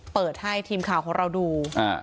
เปิดให้ทีมข่าวของเราดู